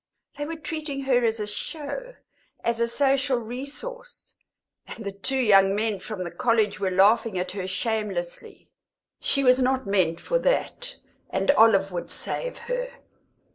They were treating her as a show, as a social resource, and the two young men from the College were laughing at her shamelessly. She was not meant for that, and Olive would save her.